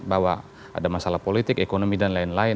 bahwa ada masalah politik ekonomi dan lain lain